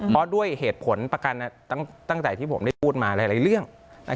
เพราะด้วยเหตุผลประกันตั้งแต่ที่ผมได้พูดมาหลายเรื่อง